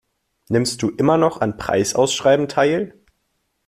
Nimmst du immer noch an Preisausschreiben teil?